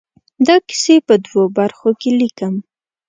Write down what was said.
دا کیسې په دوو برخو کې ليکم.